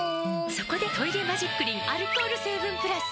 そこで「トイレマジックリン」アルコール成分プラス！